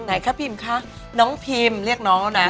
ไหนคะพิมคะน้องพิมเรียกน้องเอาหน่อย